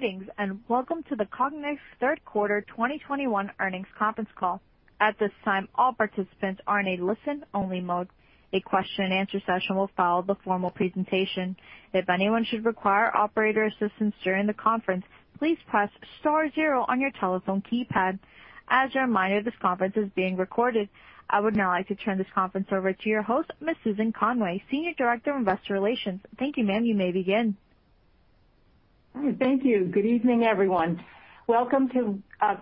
Greetings, and welcome to the Cognex Q3 2021 earnings conference call. At this time, all participants are in a listen-only mode. A question-and-answer session will follow the formal presentation. If anyone should require operator assistance during the conference, please press star zero on your telephone keypad. As a reminder, this conference is being recorded. I would now like to turn this conference over to your host, Ms. Susan Conway, Senior Director of Investor Relations. Thank you, ma'am. You may begin. Thank you. Good evening, everyone. Welcome to our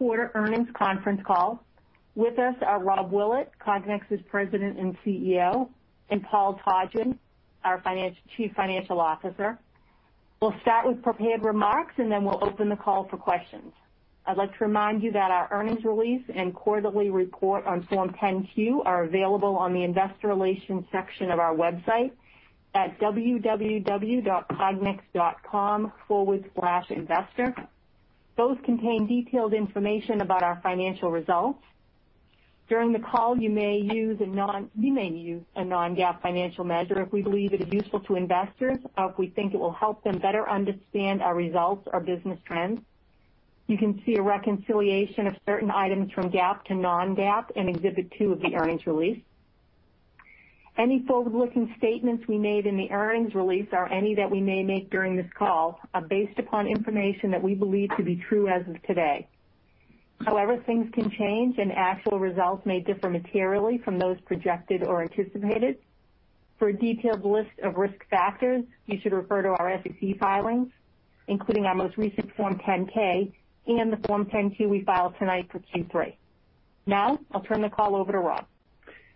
Q3 earnings conference call. With us are Rob Willett, Cognex's President and CEO, and Paul Todgham, our Chief Financial Officer. We'll start with prepared remarks, and then we'll open the call for questions. I'd like to remind you that our earnings release and quarterly report on Form 10-Q are available on the investor relations section of our website at www.cognex.com/investor. Those contain detailed information about our financial results. During the call, we may use a non-GAAP financial measure if we believe it is useful to investors or if we think it will help them better understand our results or business trends. You can see a reconciliation of certain items from GAAP to non-GAAP in exhibit 2 of the earnings release. Any forward-looking statements we made in the earnings release or any that we may make during this call are based upon information that we believe to be true as of today. However, things can change, and actual results may differ materially from those projected or anticipated. For a detailed list of risk factors, you should refer to our SEC filings, including our most recent Form 10-K and the Form 10-Q we filed tonight for Q3. Now, I'll turn the call over to Rob.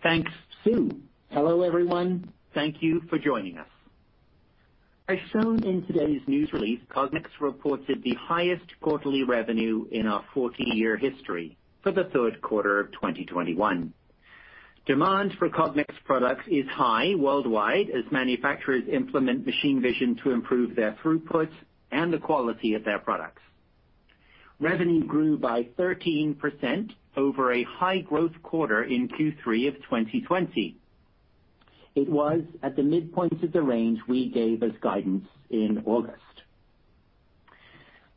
Thanks, Sue. Hello, everyone. Thank you for joining us. As shown in today's news release, Cognex reported the highest quarterly revenue in our 40-year history for the Q3 of 2021. Demand for Cognex products is high worldwide as manufacturers implement machine vision to improve their throughput and the quality of their products. Revenue grew by 13% over a high-growth quarter in Q3 of 2020. It was at the midpoint of the range we gave as guidance in August.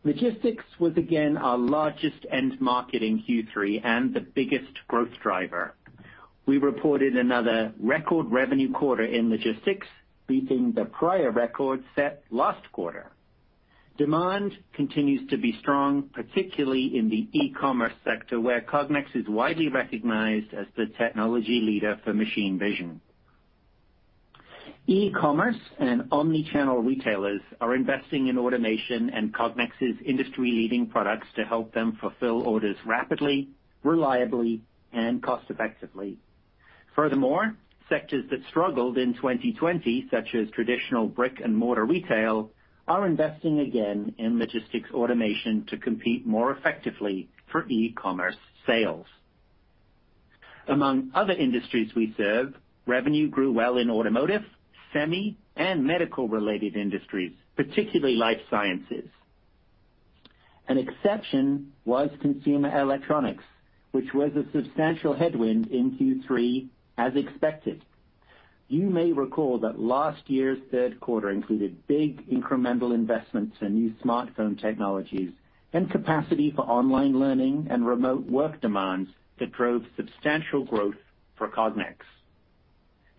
Logistics was again our largest end market in Q3 and the biggest growth driver. We reported another record revenue quarter in logistics, beating the prior record set last quarter. Demand continues to be strong, particularly in the e-commerce sector, where Cognex is widely recognized as the technology leader for machine vision. E-commerce and omni-channel retailers are investing in automation and Cognex's industry-leading products to help them fulfill orders rapidly, reliably, and cost effectively. Furthermore, sectors that struggled in 2020, such as traditional brick-and-mortar retail, are investing again in logistics automation to compete more effectively for e-commerce sales. Among other industries we serve, revenue grew well in automotive, semi, and medical-related industries, particularly life sciences. An exception was consumer electronics, which was a substantial headwind in Q3 as expected. You may recall that last year's Q3 included big incremental investments in new smartphone technologies and capacity for online learning and remote work demands that drove substantial growth for Cognex.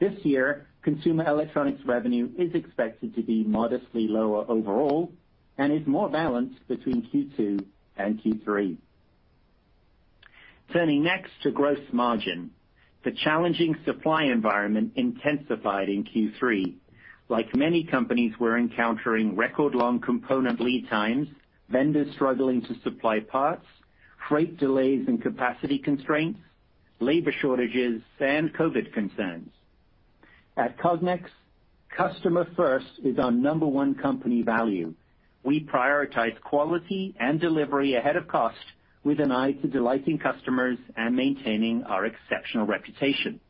This year, consumer electronics revenue is expected to be modestly lower overall and is more balanced between Q2 and Q3. Turning next to gross margin. The challenging supply environment intensified in Q3. Like many companies, we're encountering record long component lead times, vendors struggling to supply parts, freight delays and capacity constraints, labor shortages, and COVID concerns. At Cognex, customer first is our number one company value. We prioritize quality and delivery ahead of cost with an eye to delighting customers and maintaining our exceptional reputation.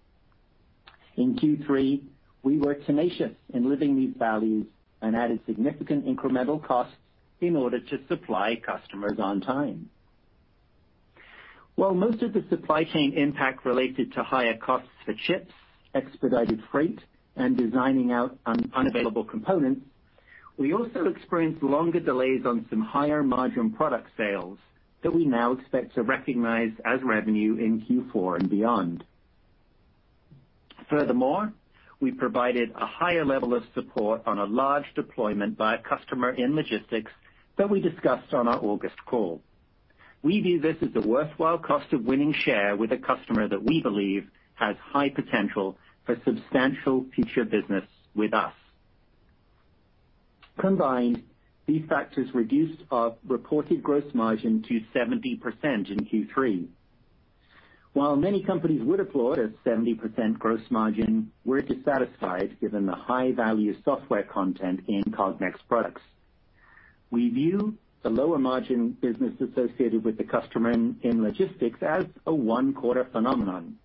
In Q3, we were tenacious in living these values and added significant incremental costs in order to supply customers on time. While most of the supply chain impact related to higher costs for chips, expedited freight, and designing out unavailable components, we also experienced longer delays on some higher margin product sales that we now expect to recognize as revenue in Q4 and beyond. Furthermore, we provided a higher level of support on a large deployment by a customer in logistics that we discussed on our August call. We view this as a worthwhile cost of winning share with a customer that we believe has high potential for substantial future business with us. Combined, these factors reduced our reported gross margin to 70% in Q3. While many companies would applaud a 70% gross margin, we're dissatisfied given the high value software content in Cognex products. We view the lower margin business associated with the customer in logistics as a one-quarter phenomenon.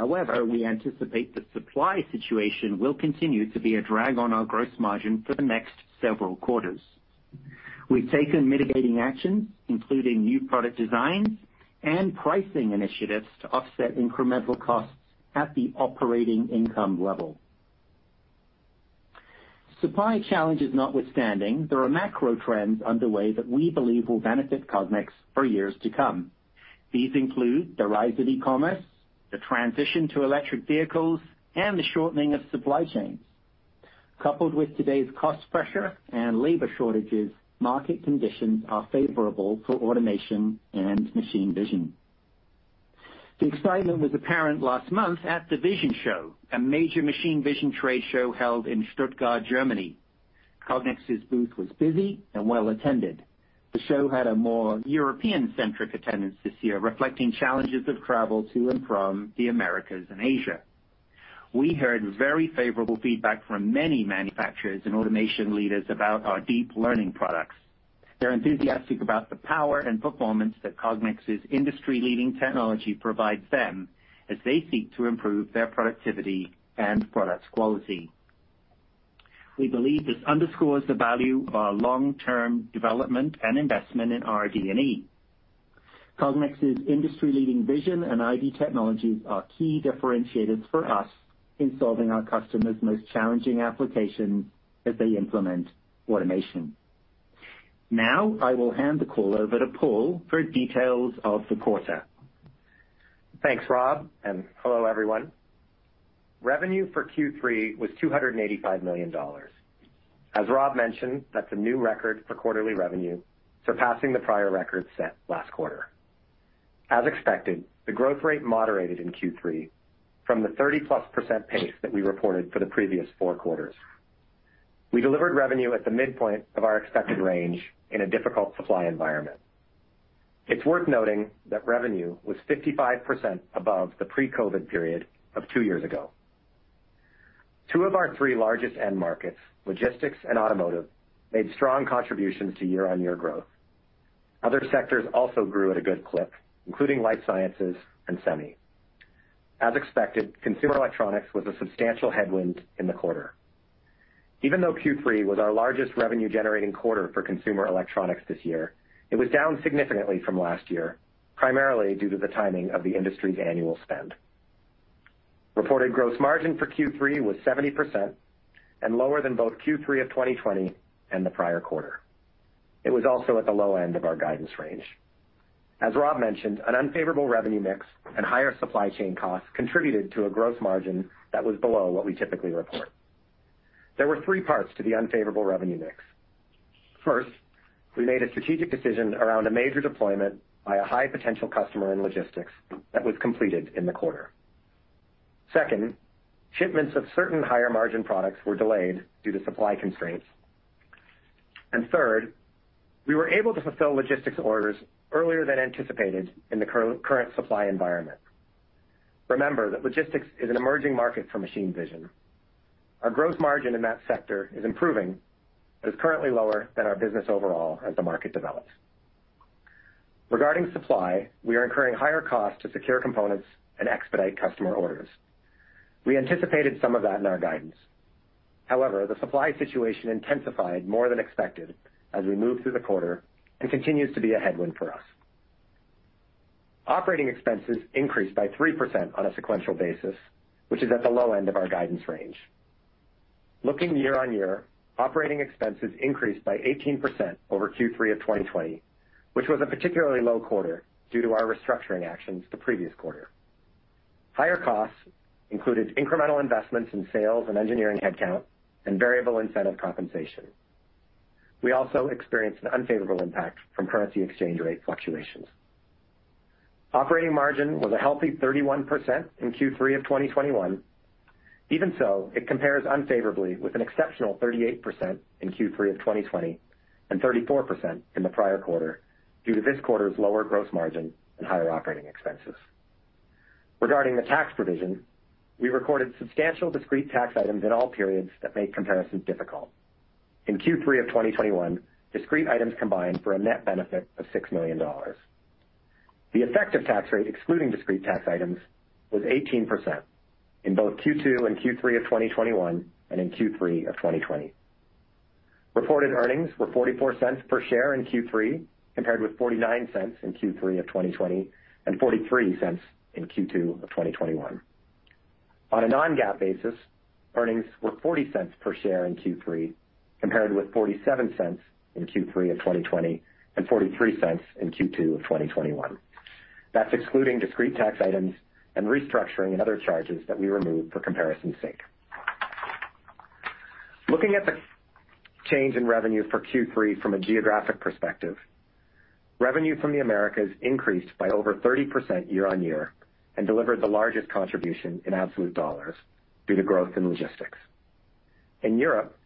However, we anticipate the supply situation will continue to be a drag on our gross margin for the next several quarters. We've taken mitigating actions, including new product designs and pricing initiatives to offset incremental costs at the operating income level. Supply challenges notwithstanding, there are macro trends underway that we believe will benefit Cognex for years to come. These include the rise of e-commerce, the transition to electric vehicles, and the shortening of supply chains. Coupled with today's cost pressure and labor shortages, market conditions are favorable for automation and machine vision. The excitement was apparent last month at the VISION Show, a major machine vision trade show held in Stuttgart, Germany. Cognex's booth was busy and well attended. The show had a more European-centric attendance this year, reflecting challenges of travel to and from the Americas and Asia. We heard very favorable feedback from many manufacturers and automation leaders about our deep learning products. They're enthusiastic about the power and performance that Cognex's industry-leading technology provides them as they seek to improve their productivity and product quality. We believe this underscores the value of our long-term development and investment in RD&E. Cognex's industry-leading vision and ID technologies are key differentiators for us in solving our customers' most challenging applications as they implement automation. Now I will hand the call over to Paul for details of the quarter. Thanks, Rob, and hello, everyone. Revenue for Q3 was $285 million. As Rob mentioned, that's a new record for quarterly revenue, surpassing the prior record set last quarter. As expected, the growth rate moderated in Q3 from the 30%+ pace that we reported for the previous four quarters. We delivered revenue at the midpoint of our expected range in a difficult supply environment. It's worth noting that revenue was 55% above the pre-COVID period of two years ago. Two of our three largest end markets, logistics and automotive, made strong contributions to year-on-year growth. Other sectors also grew at a good clip, including life sciences and semi. As expected, consumer electronics was a substantial headwind in the quarter. Even though Q3 was our largest revenue generating quarter for consumer electronics this year, it was down significantly from last year, primarily due to the timing of the industry's annual spend. Reported gross margin for Q3 was 70% and lower than both Q3 of 2020 and the prior quarter. It was also at the low end of our guidance range. As Rob mentioned, an unfavorable revenue mix and higher supply chain costs contributed to a gross margin that was below what we typically report. There were 3 parts to the unfavorable revenue mix. First, we made a strategic decision around a major deployment by a high potential customer in logistics that was completed in the quarter. Second, shipments of certain higher margin products were delayed due to supply constraints. And third, we were able to fulfill logistics orders earlier than anticipated in the current supply environment. Remember that logistics is an emerging market for machine vision. Our gross margin in that sector is improving, but is currently lower than our business overall as the market develops. Regarding supply, we are incurring higher costs to secure components and expedite customer orders. We anticipated some of that in our guidance. However, the supply situation intensified more than expected as we moved through the quarter and continues to be a headwind for us. Operating expenses increased by 3% on a sequential basis, which is at the low end of our guidance range. Looking year-on-year, operating expenses increased by 18% over Q3 of 2020, which was a particularly low quarter due to our restructuring actions the previous quarter. Higher costs included incremental investments in sales and engineering headcount and variable incentive compensation. We also experienced an unfavorable impact from currency exchange rate fluctuations. Operating margin was a healthy 31% in Q3 of 2021. Even so, it compares unfavorably with an exceptional 38% in Q3 of 2020 and 34% in the prior quarter due to this quarter's lower gross margin and higher operating expenses. Regarding the tax provision, we recorded substantial discrete tax items in all periods that made comparisons difficult. In Q3 of 2021, discrete items combined for a net benefit of $6 million. The effective tax rate, excluding discrete tax items, was 18% in both Q2 and Q3 of 2021 and in Q3 of 2020. Reported earnings were $0.44 per share in Q3, compared with $0.49 in Q3 of 2020 and $0.43 in Q2 of 2021. On a non-GAAP basis, earnings were $0.40 per share in Q3, compared with $0.47 in Q3 of 2020 and $0.43 in Q2 of 2021. That's excluding discrete tax items and restructuring and other charges that we removed for comparison's sake. Looking at the change in revenue for Q3 from a geographic perspective, revenue from the Americas increased by over 30% year-on-year and delivered the largest contribution in absolute dollars due to growth in logistics. In Europe,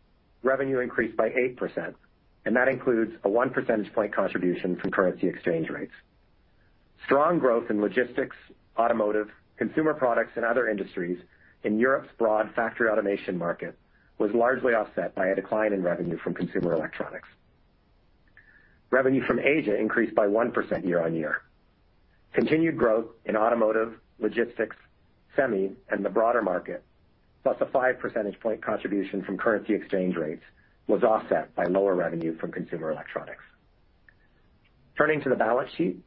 revenue increased by 8%, and that includes a 1 percentage point contribution from currency exchange rates. Strong growth in logistics, automotive, consumer products and other industries in Europe's broad factory automation market was largely offset by a decline in revenue from consumer electronics. Revenue from Asia increased by 1% year-on-year. Continued growth in automotive, logistics, semi, and the broader market, plus a 5 percentage point contribution from currency exchange rates, was offset by lower revenue from consumer electronics. Turning to the balance sheet,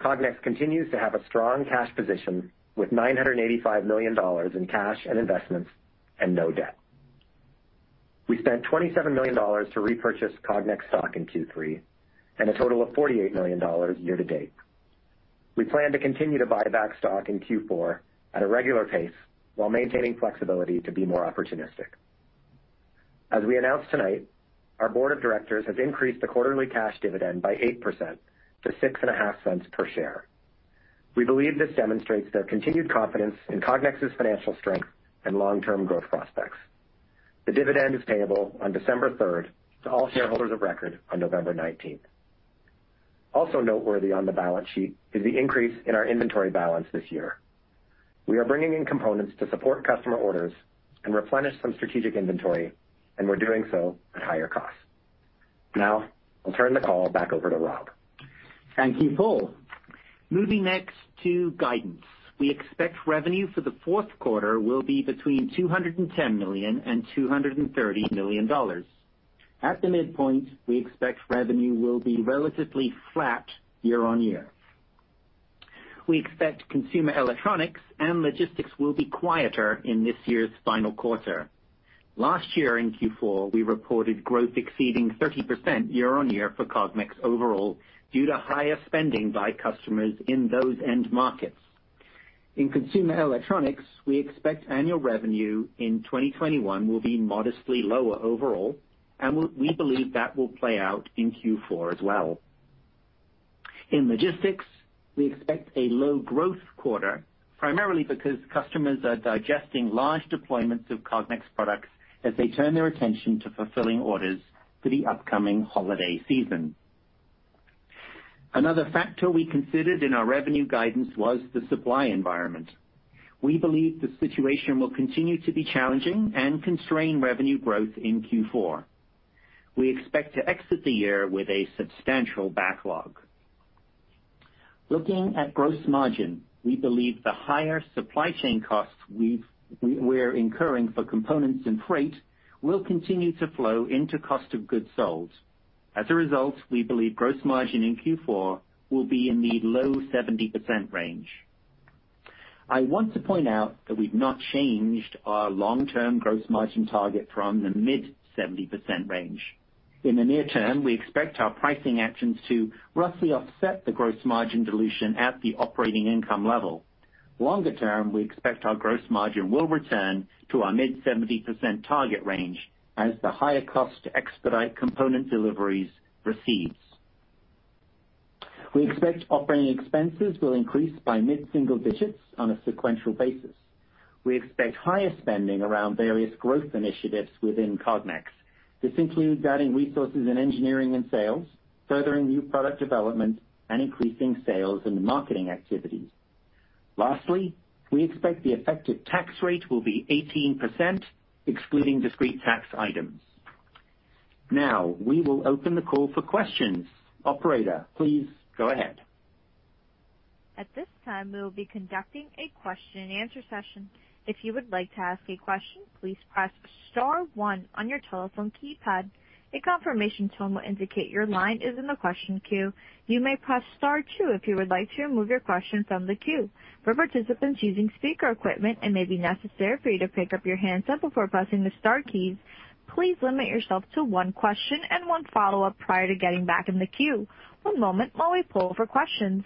Cognex continues to have a strong cash position with $985 million in cash and investments and no debt. We spent $27 million to repurchase Cognex stock in Q3, and a total of $48 million year-to-date. We plan to continue to buy back stock in Q4 at a regular pace while maintaining flexibility to be more opportunistic. As we announced tonight, our board of directors has increased the quarterly cash dividend by 8% to $0.065 per share. We believe this demonstrates their continued confidence in Cognex's financial strength and long-term growth prospects. The dividend is payable on December third to all shareholders of record on November nineteenth. Also noteworthy on the balance sheet is the increase in our inventory balance this year. We are bringing in components to support customer orders and replenish some strategic inventory, and we're doing so at higher costs. Now I'll turn the call back over to Rob. Thank you, Paul. Moving next to guidance. We expect revenue for the Q4 will be between $210 million and $230 million. At the midpoint, we expect revenue will be relatively flat year-on-year. We expect consumer electronics and logistics will be quieter in this year's final quarter. Last year in Q4, we reported growth exceeding 30% year-on-year for Cognex overall, due to higher spending by customers in those end markets. In consumer electronics, we expect annual revenue in 2021 will be modestly lower overall, and we believe that will play out in Q4 as well. In logistics, we expect a low growth quarter, primarily because customers are digesting large deployments of Cognex products as they turn their attention to fulfilling orders for the upcoming holiday season. Another factor we considered in our revenue guidance was the supply environment. We believe the situation will continue to be challenging and constrain revenue growth in Q4. We expect to exit the year with a substantial backlog. Looking at gross margin, we believe the higher supply chain costs we're incurring for components and freight will continue to flow into cost of goods sold. As a result, we believe gross margin in Q4 will be in the low 70% range. I want to point out that we've not changed our long-term gross margin target from the mid-70% range. In the near term, we expect our pricing actions to roughly offset the gross margin dilution at the operating income level. Longer term, we expect our gross margin will return to our mid-70% target range as the higher cost to expedite component deliveries recedes. We expect operating expenses will increase by mid-single digits on a sequential basis. We expect higher spending around various growth initiatives within Cognex. This includes adding resources in engineering and sales, furthering new product development, and increasing sales and marketing activities. Lastly, we expect the effective tax rate will be 18%, excluding discrete tax items. Now we will open the call for questions. Operator, please go ahead. At this time, we will be conducting a question-and-answer session. If you would like to ask a question, please press star one on your telephone keypad. A confirmation tone will indicate your line is in the question queue. You may press star two if you would like to remove your question from the queue. For participants using speaker equipment, it may be necessary for you to pick up your handset before pressing the star keys. Please limit yourself to one question and one follow-up prior to getting back in the queue. One moment while we poll for questions.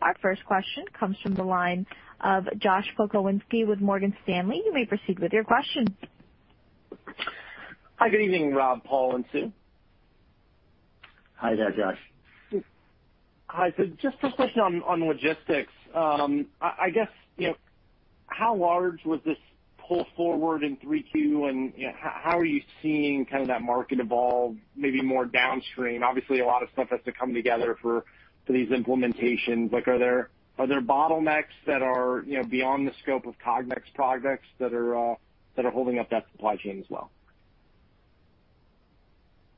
Our first question comes from the line of Josh Pokrzywinski with Morgan Stanley. You may proceed with your question. Hi, good evening, Rob, Paul, and Sue. Hi there, Josh. Hi. Just a question on logistics. I guess how large was this pull forward in Q3 and how are you seeing kind of that market evolve, maybe more downstream? Obviously, a lot of stuff has to come together for these implementations. Like, are there bottlenecks that are beyond the scope of Cognex products that are holding up that supply chain as well?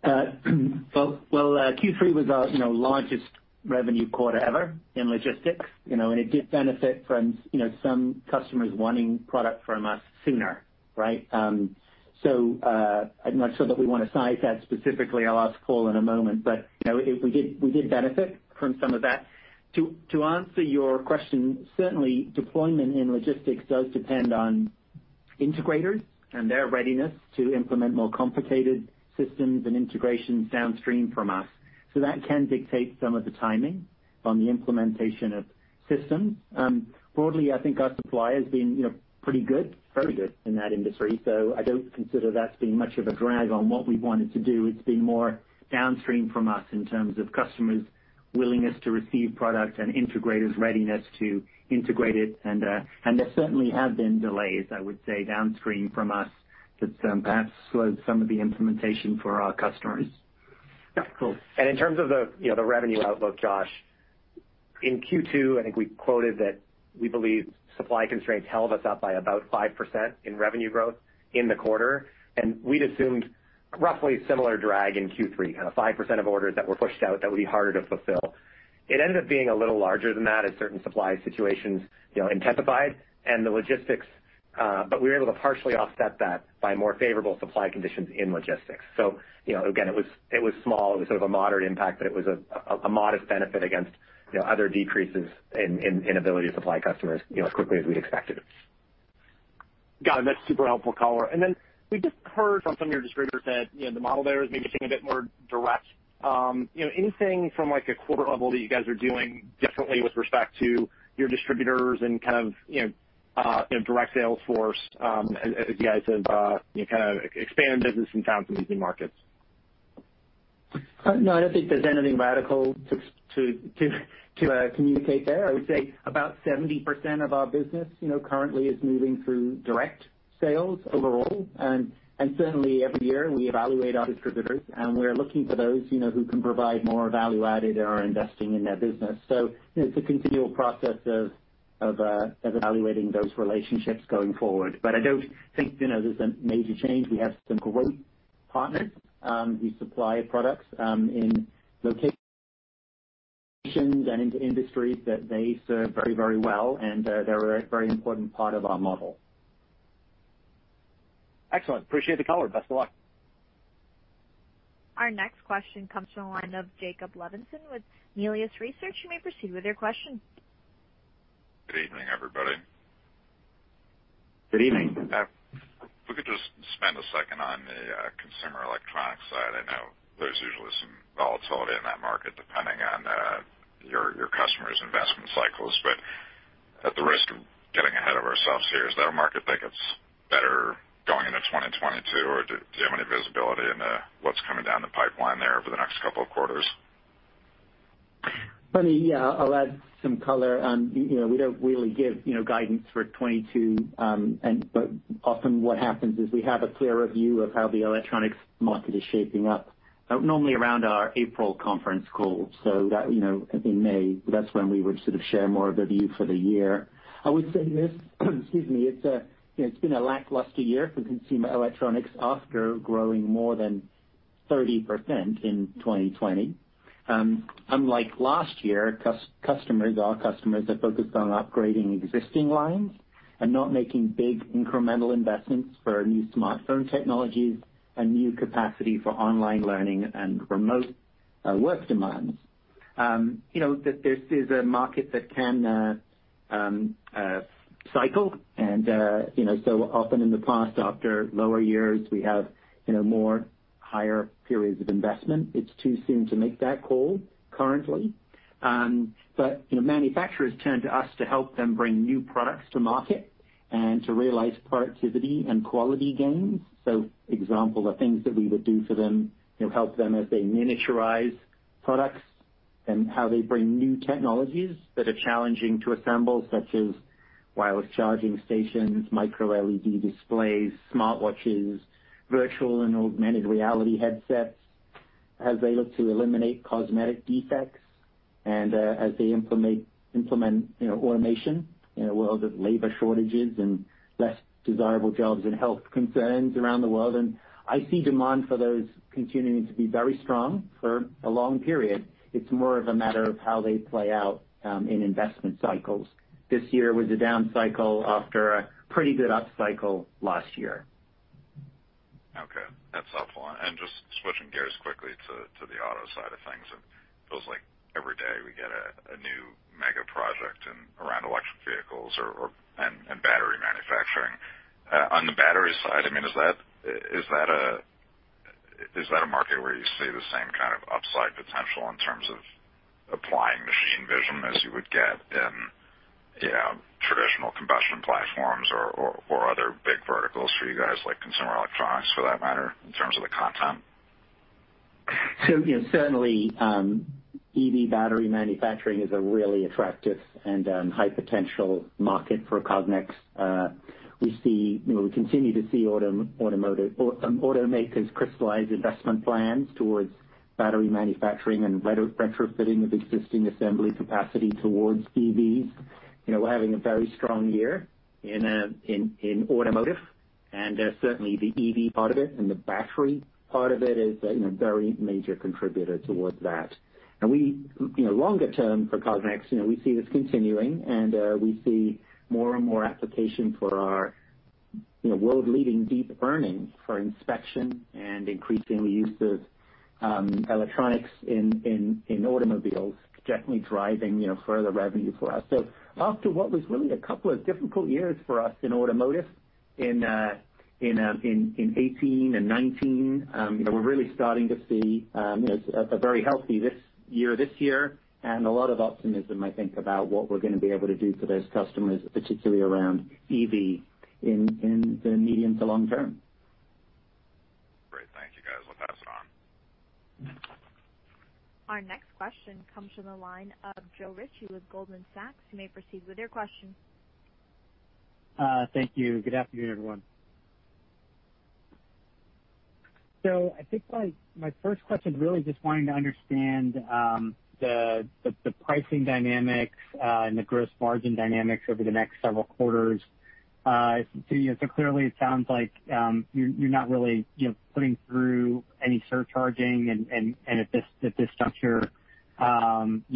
Q3 was our largest revenue quarter ever in logistics and it did benefit from some customers wanting product from us sooner, right? I'm not sure that we wanna size that specifically. I'll ask Cole in a moment, but we did benefit from some of that. To answer your question, certainly deployment in logistics does depend on integrators and their readiness to implement more complicated systems and integrations downstream from us. That can dictate some of the timing on the implementation of systems. Broadly, I think our supply has been pretty good, very good in that industry. I don't consider that's been much of a drag on what we've wanted to do. It's been more downstream from us in terms of customers' willingness to receive product and integrators' readiness to integrate it. There certainly have been delays, I would say, downstream from us that perhaps slowed some of the implementation for our customers. Yeah, Cole. In terms of the the revenue outlook, Josh, in Q2, I think we quoted that we believe supply constraints held us up by about 5% in revenue growth in the quarter. We'd assumed roughly similar drag in Q3, kind of 5% of orders that were pushed out that would be harder to fulfill. It ended up being a little larger than that as certain supply situations intensified and the logistics, but we were able to partially offset that by more favorable supply conditions in logistics. You know, again, it was small. It was sort of a moderate impact, but it was a modest benefit against other decreases in inability to supply customers as quickly as we expected. Got it. That's super helpful color. We just heard from some of your distributors that the model there is maybe taking a bit more direct. You know, anything from like a quarter level that you guys are doing differently with respect to your distributors and kind of direct sales force, as you guys have kind of expanded business and found some new markets? No, I don't think there's anything radical to communicate there. I would say about 70% of our business currently is moving through direct sales overall. Certainly every year we evaluate our distributors, and we're looking for those who can provide more value added and are investing in their business. It's a continual process of evaluating those relationships going forward. I don't think there's a major change. We have some great partners who supply products in locations and into industries that they serve very, very well, and they're a very important part of our model. Excellent. Appreciate the color. Best of luck. Our next question comes from the line of Jacob Levinson with Melius Research. You may proceed with your question. Good evening, everybody. Good evening. If we could just spend a second on the consumer electronics side. I know there's usually some volatility in that market depending on your customers' investment cycles. At the risk of getting ahead of ourselves here, is that a market that gets better going into 2022, or do you have any visibility into what's coming down the pipeline there over the next couple of quarters? Yeah, I'll add some color on. You know, we don't really give guidance for 2022, but often what happens is we have a clearer view of how the electronics market is shaping up, normally around our April conference call. You know, in May, that's when we would sort of share more of the view for the year. I would say this, excuse me. You know, it's been a lackluster year for consumer electronics after growing more than 30% in 2020. Unlike last year, customers, our customers are focused on upgrading existing lines and not making big incremental investments for new smartphone technologies and new capacity for online learning and remote work demands. You know, this is a market that can cycle and you know, so often in the past, after lower years, we have you know, more higher periods of investment. It's too soon to make that call currently. You know, manufacturers turn to us to help them bring new products to market and to realize productivity and quality gains. For example, the things that we would do for them you know, help them as they miniaturize products and how they bring new technologies that are challenging to assemble, such as wireless charging stations, micro-LED displays, smartwatches, virtual and augmented reality headsets, as they look to eliminate cosmetic defects and as they implement you know, automation in a world of labor shortages and less desirable jobs and health concerns around the world. I see demand for those continuing to be very strong for a long period. It's more of a matter of how they play out in investment cycles. This year was a down cycle after a pretty good up cycle last year. Okay. That's helpful. Just switching gears quickly to the auto side of things. It feels like every day we get a new mega project in around electric vehicles or and battery manufacturing. On the battery side, I mean, is that a market where you see the same kind of upside potential in terms of applying machine vision as you would get in traditional combustion platforms or other big verticals for you guys like consumer electronics for that matter, in terms of the content? You know, certainly EV battery manufacturing is a really attractive and high potential market for Cognex. We see we continue to see automakers crystallize investment plans towards battery manufacturing and retrofitting of existing assembly capacity towards EVs. You know, we're having a very strong year in automotive, and certainly the EV part of it and the battery part of it is a very major contributor towards that. we longer term for cognex we see this continuing, and we see more and more application for our world-leading deep learning for inspection and increasing the use of electronics in automobiles, definitely driving further revenue for us. After what was really a couple of difficult years for us in automotive in 2018 and 2019 we're really starting to see you know a very healthy this year and a lot of optimism, I think, about what we're gonna be able to do for those customers, particularly around EV in the medium to long term. Great. Thank you, guys. I'll pass it on. Our next question comes from the line of Joe Ritchie with Goldman Sachs. You may proceed with your question. Thank you. Good afternoon, everyone. I think my first question is really just wanting to understand the pricing dynamics and the gross margin dynamics over the next several quarters. Clearly it sounds like you're not really putting through any surcharging and at this juncture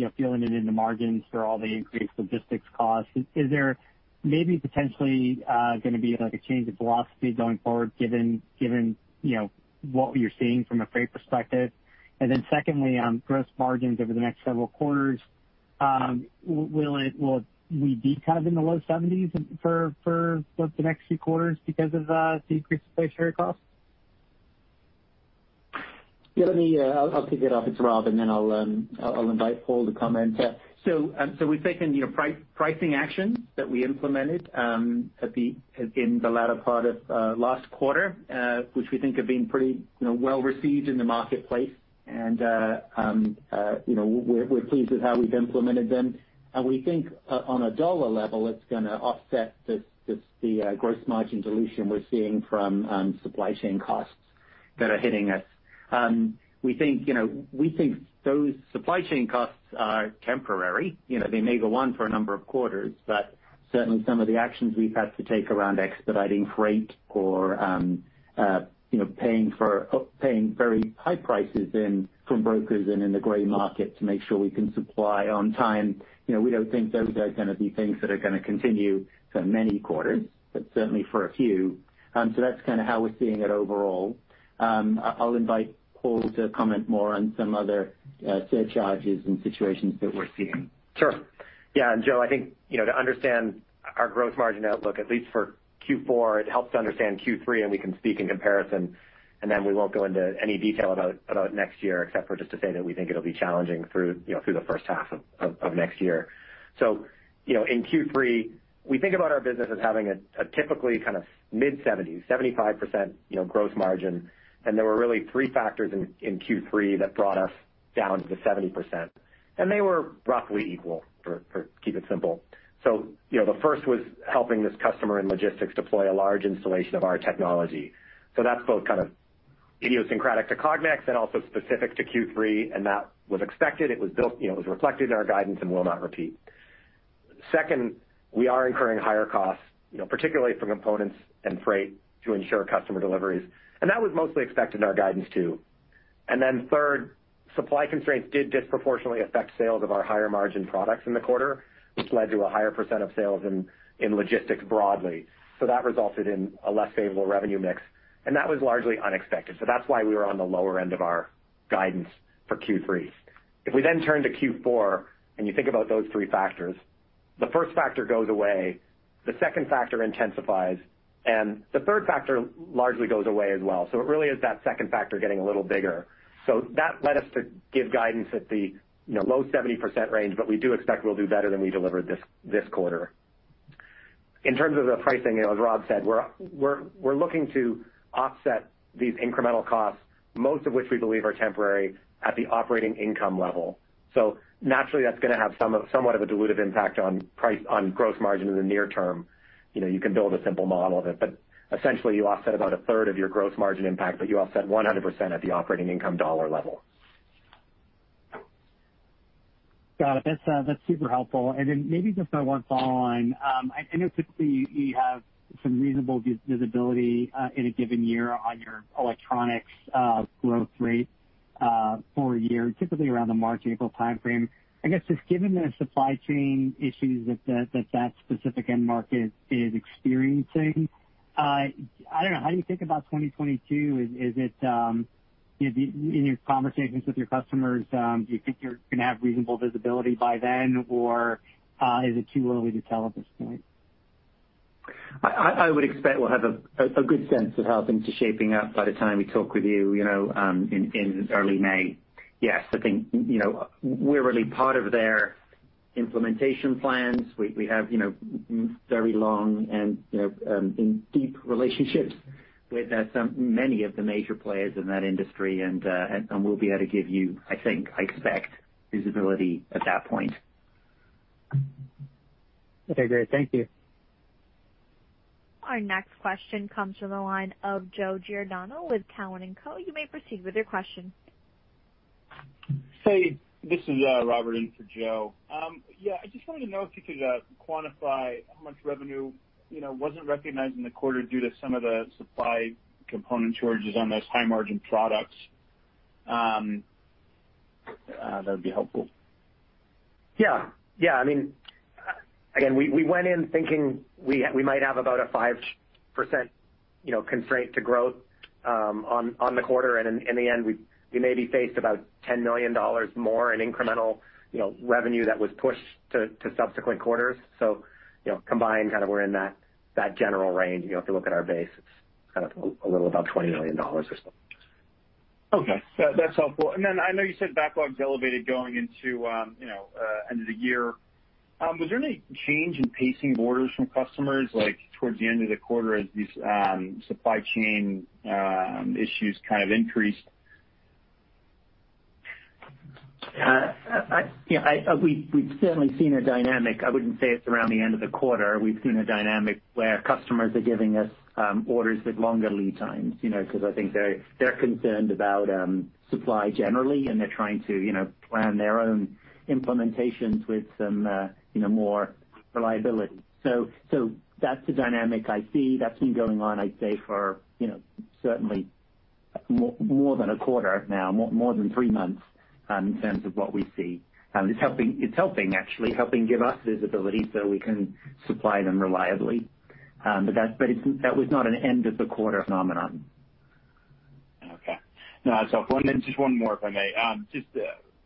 baking it into the margins for all the increased logistics costs. Is there maybe potentially gonna be like a change of velocity going forward, given what you're seeing from a freight perspective? And then secondly, on gross margins over the next several quarters, will we be kind of in the low 70s% for the next few quarters because of decreased inflationary costs? Yeah, let me. I'll kick it off. It's Rob, and then I'll invite Paul to comment. Yeah. We've taken pricing actions that we implemented in the latter part of last quarter, which we think have been pretty well received in the marketplace. We're pleased with how we've implemented them. We think on a dollar level, it's gonna offset the gross margin dilution we're seeing from supply chain costs that are hitting us. We think those supply chain costs are temporary. You know, they may go on for a number of quarters, but certainly some of the actions we've had to take around expediting freight or paying very high prices from brokers and in the gray market to make sure we can supply on time. You know, we don't think those are gonna be things that are gonna continue for many quarters, but certainly for a few. So that's kinda how we're seeing it overall. I'll invite Paul to comment more on some other surcharges and situations that we're seeing. Sure. Yeah. Joe, I think to understand our growth margin outlook, at least for Q4, it helps to understand Q3, and we can speak in comparison, and then we won't go into any detail about next year, except for just to say that we think it'll be challenging through through the H1 of next year. You know, in Q3, we think about our business as having a typically kind of mid-70s, 75% gross margin, and there were really three factors in Q3 that brought us down to the 70%, and they were roughly equal, to keep it simple. You know, the first was helping this customer in logistics deploy a large installation of our technology. That's both kind of idiosyncratic to Cognex and also specific to Q3, and that was expected. It was built it was reflected in our guidance and will not repeat. Second, we are incurring higher costs particularly for components and freight to ensure customer deliveries, and that was mostly expected in our guidance, too. Third, supply constraints did disproportionately affect sales of our higher margin products in the quarter, which led to a higher % of sales in logistics broadly. That resulted in a less favorable revenue mix, and that was largely unexpected. That's why we were on the lower end of our guidance for Q3. If we then turn to Q4 and you think about those three factors, the first factor goes away, the second factor intensifies, and the third factor largely goes away as well. It really is that second factor getting a little bigger. That led us to give guidance at the low 70% range, but we do expect we'll do better than we delivered this quarter. In terms of the pricing as Rob said, we're looking to offset these incremental costs, most of which we believe are temporary at the operating income level. Naturally, that's gonna have somewhat of a dilutive impact on price, on gross margin in the near term. You know, you can build a simple model of it, but essentially you offset about a third of your gross margin impact, but you offset 100% at the operating income dollar level. Got it. That's super helpful. Maybe just one follow on. I know typically you have some reasonable visibility in a given year on your electronics growth rate for a year, typically around the March, April timeframe. I guess just given the supply chain issues that specific end market is experiencing, I don't know, how do you think about 2022? Is it you know, in your conversations with your customers, do you think you're gonna have reasonable visibility by then, or is it too early to tell at this point? I would expect we'll have a good sense of how things are shaping up by the time we talk with you know, in early May. Yes. I think we're really part of their implementation plans. We have very long and and deep relationships with many of the major players in that industry, and we'll be able to give you, I think, I expect, visibility at that point. Okay, great. Thank you. Our next question comes from the line of Joe Giordano with Cowen and Company. You may proceed with your question. Hey, this is Robert in for Joe. Yeah, I just wanted to know if you could quantify how much revenue wasn't recognized in the quarter due to some of the supply component charges on those high margin products. That would be helpful. Yeah. Yeah. I mean, again, we went in thinking we might have about a 5% constraint to growth on the quarter, and in the end, we maybe faced about $10 million more in incremental revenue that was pushed to subsequent quarters. You know, combined kind of we're in that general range. You know, if you look at our base, it's kind of a little about $20 million or so. Okay. That's helpful. Then I know you said backlog's elevated going into end of the year. Was there any change in pacing orders from customers, like towards the end of the quarter as these supply chain issues kind of increased? We've certainly seen a dynamic. I wouldn't say it's around the end of the quarter. We've seen a dynamic where customers are giving us orders with longer lead times 'cause I think they're concerned about supply generally, and they're trying to plan their own implementations with some more reliability. That's the dynamic I see that's been going on, I'd say for certainly more than a quarter now, more than three months in terms of what we see. It's actually helping give us visibility so we can supply them reliably. That was not an end of the quarter phenomenon. Okay. No, that's helpful. Just one more, if I may. Just,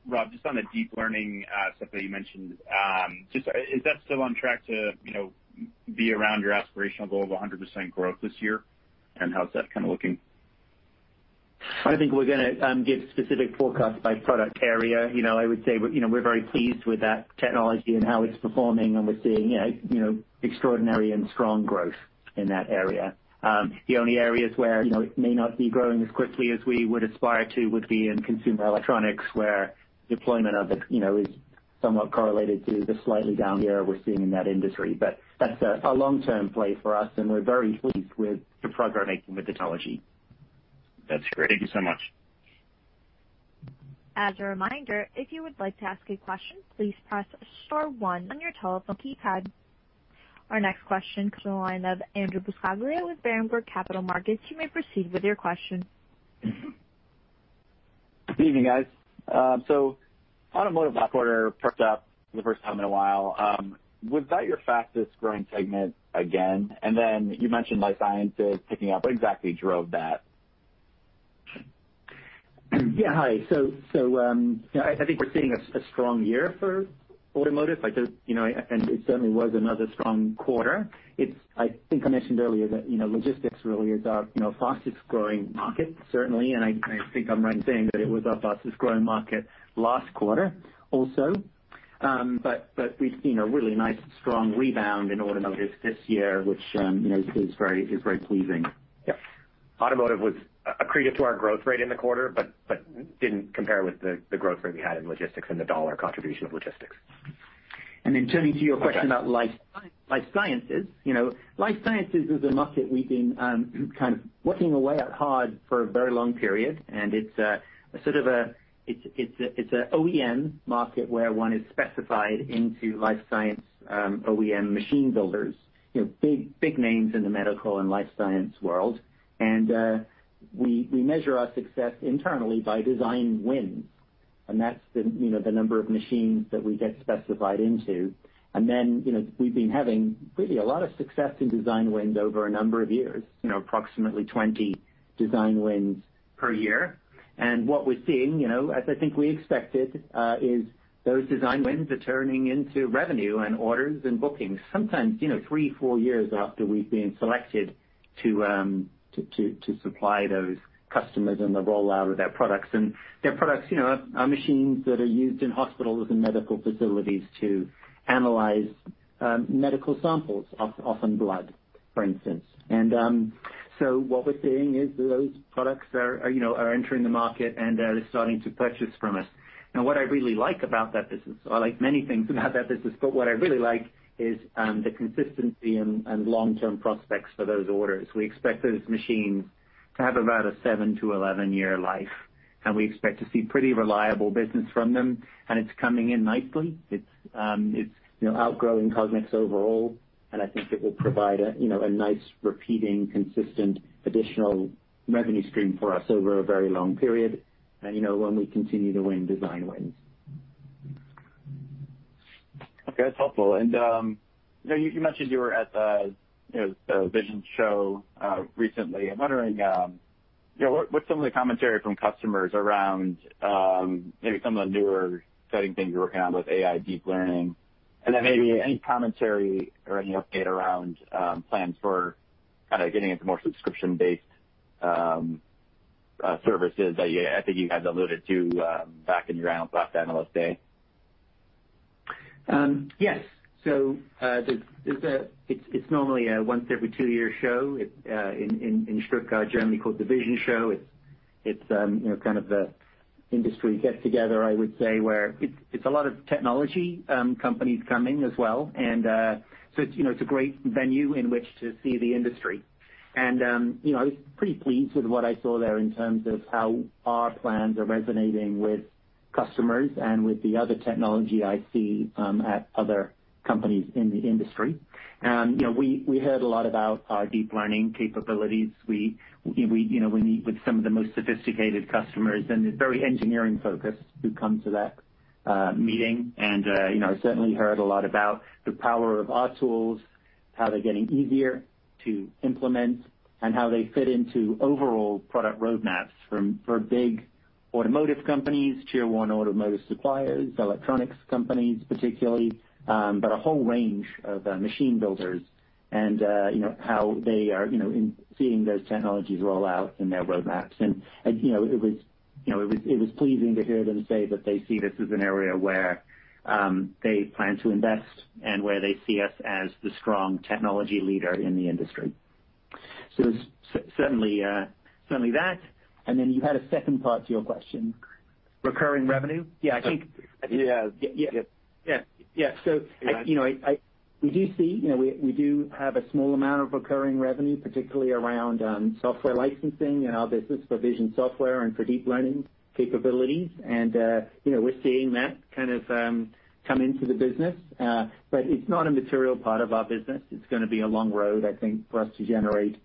Rob, just on the deep learning sector you mentioned, just is that still on track to be around your aspirational goal of 100% growth this year? How's that kinda looking? I think we're gonna give specific forecasts by product area. You know, I would say we're very pleased with that technology and how it's performing, and we're seeing extraordinary and strong growth in that area. The only areas where it may not be growing as quickly as we would aspire to would be in consumer electronics, where deployment of it is somewhat correlated to the slightly down year we're seeing in that industry. That's a long-term play for us, and we're very pleased with the progress we're making with the technology. That's great. Thank you so much. As a reminder, if you would like to ask a question, please press star one on your telephone keypad. Our next question comes from the line of Andrew Buscaglia with Berenberg Capital Markets. You may proceed with your question. Good evening, guys. Automotive last quarter perked up for the first time in a while. Was that your fastest growing segment again? You mentioned life sciences picking up. What exactly drove that? Yeah. Hi. You know, I think we're seeing a strong year for automotive. like it certainly was another strong quarter. I think I mentioned earlier that logistics really is our fastest growing market certainly. I think I'm right in saying that it was our fastest growing market last quarter also. But we've seen a really nice strong rebound in automotive this year, which is very pleasing. Yeah. Automotive was accretive to our growth rate in the quarter, but didn't compare with the growth rate we had in logistics and the dollar contribution of logistics. Turning to your question about life sciences. You know, life sciences is a market we've been kind of working away at hard for a very long period. It's sort of a OEM market where one is specified into life science OEM machine builders. You know, big names in the medical and life science world. We measure our success internally by design wins. That's the number of machines that we get specified into. We've been having really a lot of success in design wins over a number of years. You know, approximately 20 design wins per year. What we're seeing as I think we expected, is those design wins are turning into revenue and orders and bookings sometimes third, four years after we've been selected to supply those customers and the rollout of their products. Their products are machines that are used in hospitals and medical facilities to analyze medical samples, often blood, for instance. What we're seeing is those products are entering the market, and they're starting to purchase from us. Now, what I really like about that business, I like many things about that business, but what I really like is the consistency and long-term prospects for those orders. We expect those machines to have about a seven-eleven-year life, and we expect to see pretty reliable business from them, and it's coming in nicely. it's outgrowing Cognex overall, and I think it will provide a a nice, repeating, consistent additional revenue stream for us over a very long period and when we continue to win design wins. Okay. That's helpful. You know, you mentioned you were at the VISION Show recently. I'm wondering what's some of the commentary from customers around, maybe some of the newer exciting things you're working on with AI deep learning? Then maybe any commentary or any update around, plans for kinda getting into more subscription-based, services that you, I think you guys alluded to, back in your last Analyst Day. Yes. It's normally a once every two-year show. It's in Stuttgart, Germany, called the VISION Show. It's you know, kind of the industry get together, I would say, where it's a lot of technology companies coming as well. It's you know, it's a great venue in which to see the industry. You know, I was pretty pleased with what I saw there in terms of how our plans are resonating with customers and with the other technology I see at other companies in the industry. You know, we heard a lot about our deep learning capabilities. You know, we meet with some of the most sophisticated customers, and it's very engineering-focused who come to that meeting. You know, I certainly heard a lot about the power of our tools, how they're getting easier to implement, and how they fit into overall product roadmaps from big automotive companies, tier one automotive suppliers, electronics companies particularly, but a whole range of machine builders and you know, how they are you know, in seeing those technologies roll out in their roadmaps. You know, it was pleasing to hear them say that they see this as an area where they plan to invest and where they see us as the strong technology leader in the industry. Certainly that. Then you had a second part to your question. Recurring revenue? Yeah, I think. Yeah. Yeah. Yeah. You know, we do see we do have a small amount of recurring revenue, particularly around software licensing in our business for vision software and for deep learning capabilities. You know, we're seeing that kind of come into the business. It's not a material part of our business. It's gonna be a long road, I think, for us to generate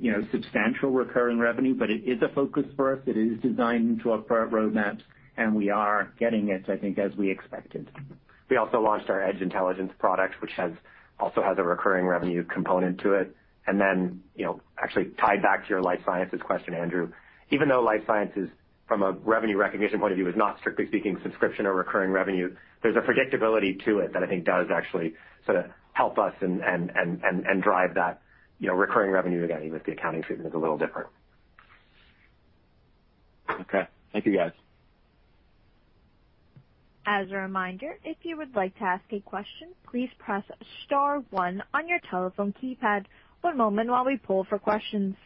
you know, substantial recurring revenue. It is a focus for us. It is designed into our product roadmaps, and we are getting it, I think, as we expected. We also launched our Edge Intelligence product, which also has a recurring revenue component to it. You know, actually tied back to your life sciences question, Andrew, even though life sciences from a revenue recognition point of view is not, strictly speaking, subscription or recurring revenue, there's a predictability to it that I think does actually sorta help us and drive that recurring revenue again, even if the accounting treatment is a little different. Okay. Thank you, guys. As a reminder, if you would like to ask a question, please press star one on your telephone keypad. One moment while we poll for questions.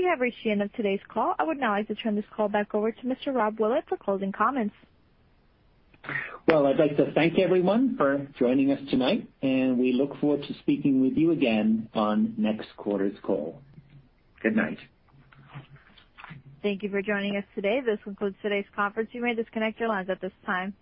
We have reached the end of today's call. I would now like to turn this call back over to Mr. Robert Willett for closing comments. Well, I'd like to thank everyone for joining us tonight, and we look forward to speaking with you again on next quarter's call. Good night. Thank you for joining us today. This concludes today's conference. You may disconnect your lines at this time.